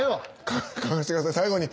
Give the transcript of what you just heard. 描かしてください最後に。